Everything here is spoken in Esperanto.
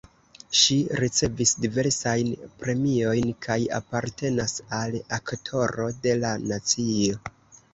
Ŝi ricevis diversajn premiojn kaj apartenas al Aktoro de la nacio.